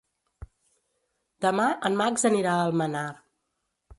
Demà en Max anirà a Almenar.